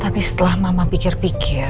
tapi setelah mama pikir pikir